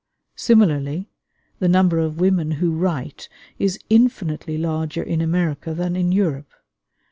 Similarly the number of women who write is infinitely larger in America than in Europe.